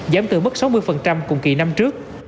giảm từ mức sáu mươi cùng kỳ năm trước